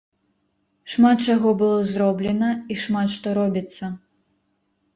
Шмат чаго было зроблена, і шмат што робіцца.